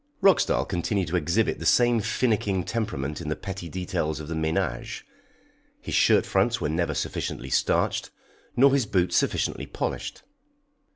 Roxdal continued to exhibit the same finicking temperament in the petty details of the ménage. His shirt fronts were never sufficiently starched, nor his boots sufficiently polished.